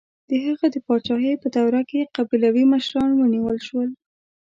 د هغه د پاچاهۍ په دوره کې قبیلوي مشران ونیول شول.